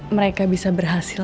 mereka bisa berhasil